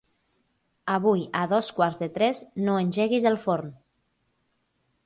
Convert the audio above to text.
Avui a dos quarts de tres no engeguis el forn.